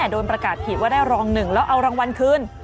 โดนประกาศผิดว่าได้รองหนึ่งแล้วเอารางวัลคืน